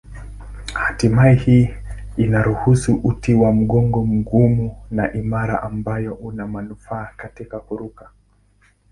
Hatimaye hii inaruhusu uti wa mgongo mgumu na imara ambayo una manufaa katika kuruka.